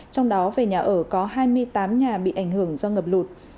trong đó về nhà ở có hai mươi tám nhà bị ảnh hưởng do ngập lụt